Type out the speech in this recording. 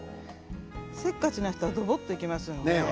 せっかちな人はどぼっといきますよね。